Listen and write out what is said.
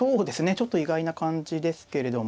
ちょっと意外な感じですけれども。